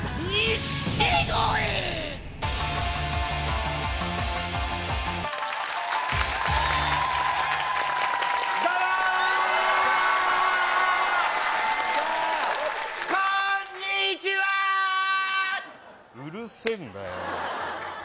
うるせえんだよ